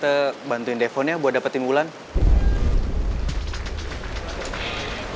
tante bantuin teleponnya buat dapetin wulandar